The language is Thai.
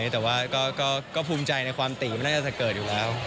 แต่ว่าก็ภูมิใจในความตีมันน่าจะเกิดอยู่แล้ว